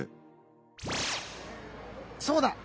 そうだ！